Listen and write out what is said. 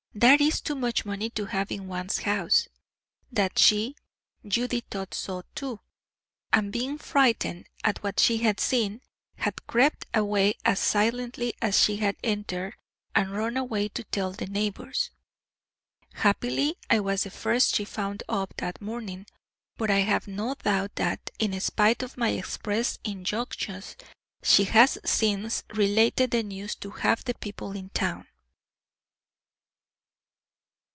That is too much money to have in one's house'; that she, Judy, thought so too, and being frightened at what she had seen, had crept away as silently as she had entered and run away to tell the neighbours. Happily, I was the first she found up that morning, but I have no doubt that, in spite of my express injunctions, she has since related the news to half the people in town."